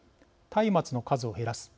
たいまつの数を減らす。